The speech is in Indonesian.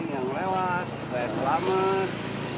yang lewat supaya selamat